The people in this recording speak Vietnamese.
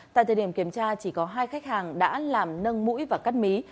tại thời điểm kiểm tra chỉ có hai khách hàng đã làm nâng mũi và cắt mí